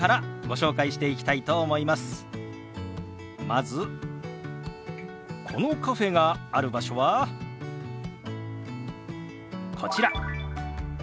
まずこのカフェがある場所はこちら。